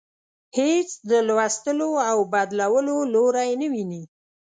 هیڅ د لوستلو او بدلولو لوری نه ويني.